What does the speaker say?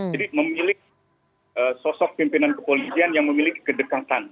jadi memiliki sosok pimpinan kepolisian yang memiliki kedekatan